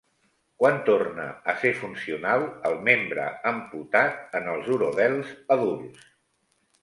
Quan torna a ser funcional el membre amputat en els urodels adults?